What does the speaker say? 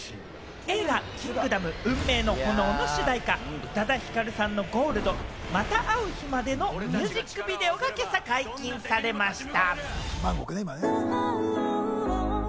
映画『キングダム運命の炎』の主題歌、宇多田ヒカルさんの『Ｇｏｌｄまた逢う日まで』のミュージックビデオが今朝解禁されました。